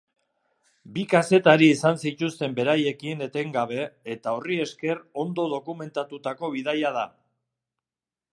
Bi kazetari izan zituzten beraiekin etengabe eta horri esker ondo dokumentatutako bidaia da.